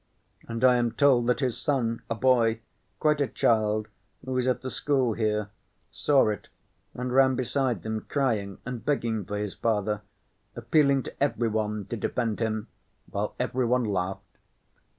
And I am told that his son, a boy, quite a child, who is at the school here, saw it and ran beside them crying and begging for his father, appealing to every one to defend him, while every one laughed.